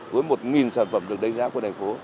với một sản phẩm được đánh giá của thành phố